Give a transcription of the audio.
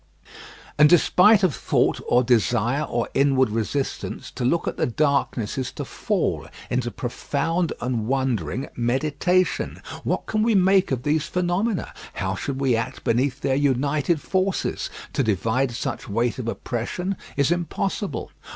And despite of thought or desire or inward resistance, to look at the darkness is to fall into profound and wondering meditation. What can we make of these phenomena! How should we act beneath their united forces? To divide such weight of oppression is impossible.